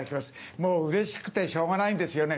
もううれしくてしょうがないんですよね。